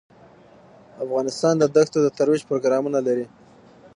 افغانستان د دښتو د ترویج پروګرامونه لري.